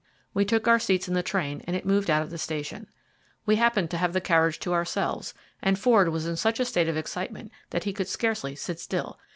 We took our seats in the train and it moved out of the station. We happened to have the carriage to ourselves, and Ford was in such a state of excitement that he could scarcely sit still.